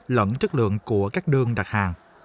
lẫn chất lượng của các đơn đặt hàng